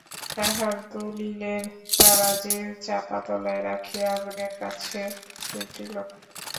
তাহার দলিলের তাড়া সে চাঁপাতলায় রাখিয়া আগুনের কাছে ছুটিল।